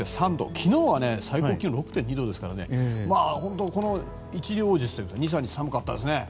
昨日は最高気温６．２度ですからこの一両日２３日寒かったですね。